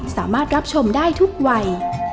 สามารถรับชมได้ทุกวัย